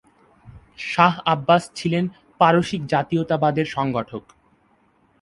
Shah Abbas ছিলেন পারসিক জাতীয়তাবাদের সংগঠক।